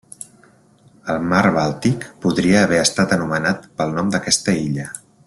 El Mar Bàltic podria haver estat anomenat pel nom d'aquesta illa.